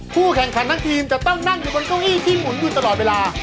แข่งขันทั้งทีมจะต้องนั่งอยู่บนเก้าอี้ที่หมุนอยู่ตลอดเวลา